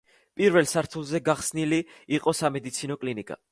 პირველ სართულზე გახსნილი იყო სამედიცინო კლინიკა.